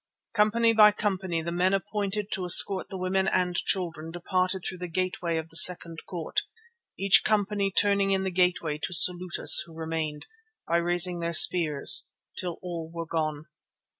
Company by company the men appointed to escort the women and children departed through the gateway of the second court, each company turning in the gateway to salute us who remained, by raising their spears, till all were gone.